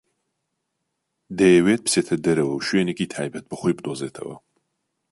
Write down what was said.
دەیەوێت بچێتە دەرەوە و شوێنێکی تایبەت بە خۆی بدۆزێتەوە.